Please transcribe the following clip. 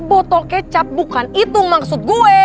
botol kecap bukan itu maksud gue